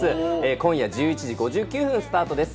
今夜１１時５９分スタートです。